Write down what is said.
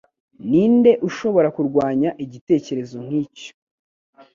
Ninde ushobora kurwanya igitekerezo nkicyo?